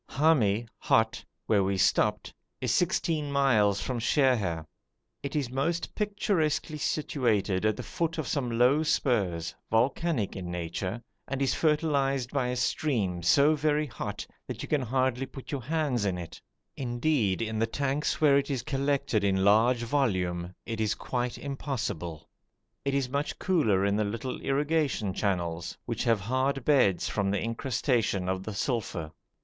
Hami (hot), where we stopped, is sixteen miles from Sheher. It is most picturesquely situated at the foot of some low spurs, volcanic in nature, and is fertilised by a stream so very hot that you can hardly put your hands in it; indeed, in the tanks where it is collected in large volume, it is quite impossible. It is much cooler in the little irrigation channels, which have hard beds from the incrustation of the sulphur.